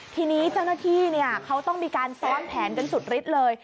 ทีนี้เจ้าหน้าที่เขาต้องมีการซ้อนแผนกันสุดฤทธิ์เลย